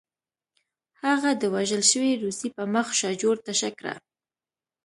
هغه د وژل شوي روسي په مخ شاجور تشه کړه